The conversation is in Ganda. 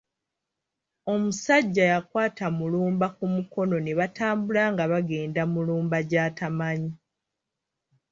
Omusajja yakwata Mulumba ku mukono ne batambula nga bagenda Mulumba gy’atamanyi.